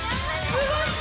すごいぞ！